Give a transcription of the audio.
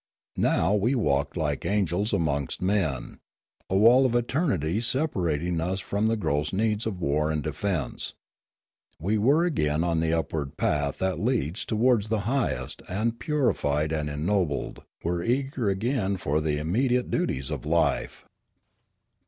Now we walked like angels amongst men, a wall of eternity separating us from the gross needs of war and defence. We were again on the upward path that leads towards the highest, and, purified and ennobled, were eager again for the imme diate duties of life.